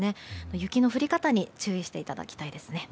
雪の降り方に注意していただきたいですね。